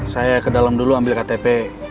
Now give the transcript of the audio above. saya ke dalam dulu ambil ktp